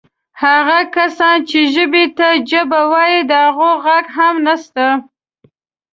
هغه کسان چې ژبې ته جبه وایي د هغو ږغ هم نسته.